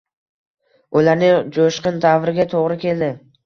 Ularning joʻshqin davrga toʻgʻri keldi